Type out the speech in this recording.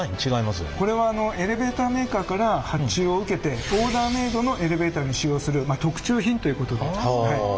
これはあのエレベーターメーカーから発注を受けてオーダーメードのエレベーターで使用するまあ特注品ということで。